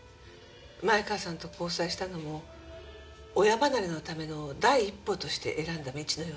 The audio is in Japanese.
前川さんと交際したのも親離れのための第一歩として選んだ道のようです。